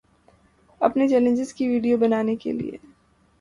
اپنے چینلز کی ویڈیو بنانے کے لیے